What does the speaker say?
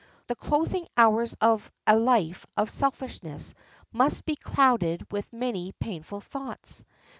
The closing hours of a life of selfishness must be clouded with many painful thoughts.